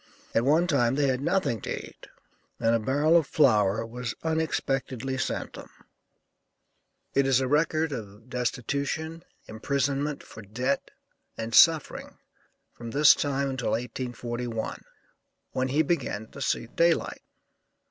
At one time they had nothing to eat, and a barrel of flour was unexpectedly sent them." It is a record of destitution, imprisonment for debt, and suffering from this time until 1841, when he began to see day light.